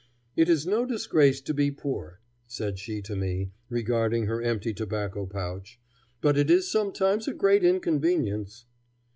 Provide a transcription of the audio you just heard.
"It is no disgrace to be poor," said she to me, regarding her empty tobacco pouch; "but it is sometimes a great inconvenience."